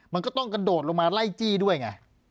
มันก็ต้องกระโดดลงมาไล่จี้ด้วยไง